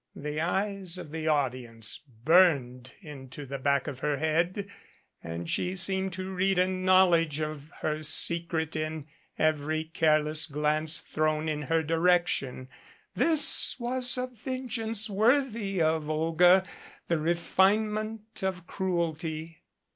The eyes of the audience burned into the back of her head, and she seemed to read a knowledge of her secret in every careless glance thrown in her direc tion. This was a vengeance worthy of Olga the refine ment of cruelty.